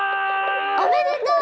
おめでとう！